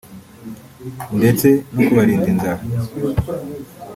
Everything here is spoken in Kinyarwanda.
ndetse no kubarinda inzara